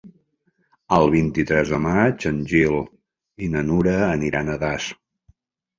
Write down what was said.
El vint-i-tres de maig en Gil i na Nura aniran a Das.